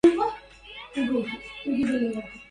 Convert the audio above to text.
كلما شاءت الرسوم المحيله